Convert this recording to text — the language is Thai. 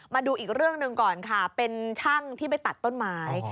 มาดูอีกเรื่องหนึ่งก่อนค่ะเป็นช่างที่ไปตัดต้นไม้